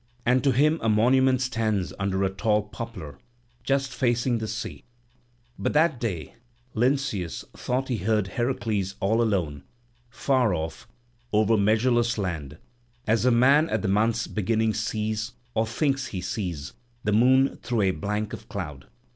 And to him a monument stands under a tall poplar, just facing the sea. But that day Lynceus thought he saw Heracles all alone, far off, over measureless land, as a man at the month's beginning sees, or thinks he sees, the moon through a bank of cloud.